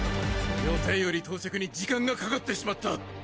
予定より到着に時間がかかってしまった！